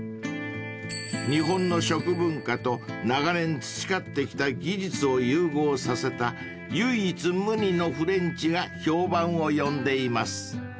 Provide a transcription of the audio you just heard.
［日本の食文化と長年培ってきた技術を融合させた唯一無二のフレンチが評判を呼んでいます］